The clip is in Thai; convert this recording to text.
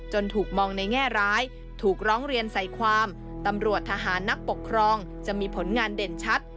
ถูกมองในแง่ร้ายถูกร้องเรียนใส่ความตำรวจทหารนักปกครองจะมีผลงานเด่นชัด